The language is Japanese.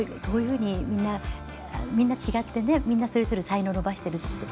こういうふうにみんな違ってみんなそれぞれ才能を伸ばしている。